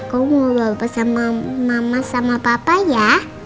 aku mau bawa pesan mama sama papa ya